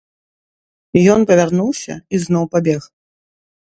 Ён павярнуўся і зноў пабег.